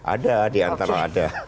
ada di antara ada